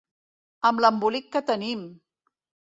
Amb l’embolic que tenim!